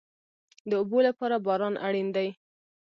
د اوبو لپاره باران اړین دی